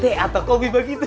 teh atau kopi begitu